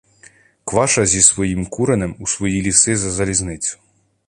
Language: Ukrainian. Кваша зі своїм куренем — у свої ліси за залізницю.